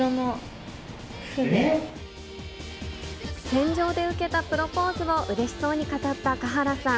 船上で受けたプロポーズをうれしそうに語った華原さん。